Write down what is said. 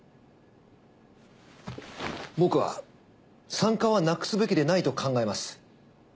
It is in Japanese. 僕は産科はなくすべきでないと考えます。